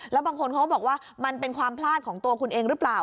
แล้วบางคนเขาก็บอกว่ามันเป็นความพลาดของตัวคุณเองหรือเปล่า